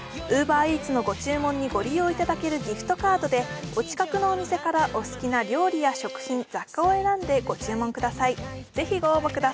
ＵｂｅｒＥａｔｓのご注文にご利用いただけるギフトカードでお近くのお店からお好きな料理や食品、雑貨を選んでご注文ください。